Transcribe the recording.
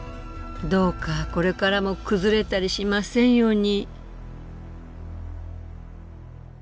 どうかこれからも崩れたりしませんように。